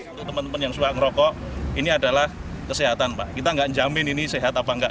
untuk teman teman yang suka ngerokok ini adalah kesehatan kita tidak menjamin ini sehat atau tidak